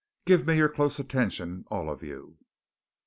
Give me your close attention, all of you."